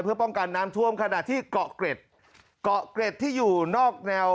เพื่อป้องกันน้ำท่วมขณะที่เกาะเกร็ดเกาะเกร็ดที่อยู่นอกแนว